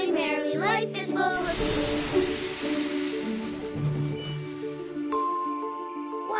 うわ！